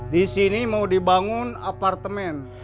disini mau dibangun apartemen